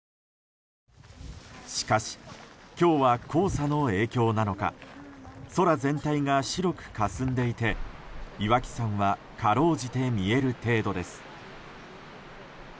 しかし、今日は黄砂の影響なのか空全体が白くかすんでいて岩木山はかろうじて見える程度です。